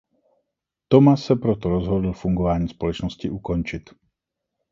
Thomas se proto rozhodl fungování společnosti ukončit.